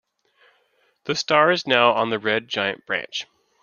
The star is now on the red giant branch.